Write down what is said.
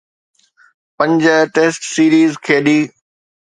پنج test series کيڏي.